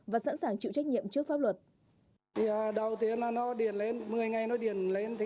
và sẵn sàng chịu trách nhiệm trước pháp luật